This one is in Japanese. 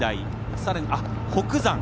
さらに北山。